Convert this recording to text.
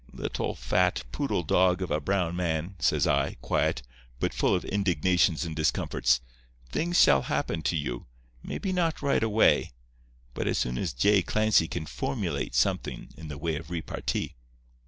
"'Little, fat, poodle dog of a brown man,' says I, quiet, but full of indignations and discomforts, 'things shall happen to you. Maybe not right away, but as soon as J. Clancy can formulate somethin' in the way of repartee.